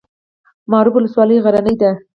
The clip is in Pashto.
معروف ولسوالۍ غرنۍ ده؟